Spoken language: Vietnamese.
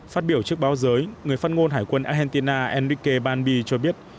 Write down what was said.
phát biểu trước báo giới người phát ngôn hải quân argentina enrique banbi cho biết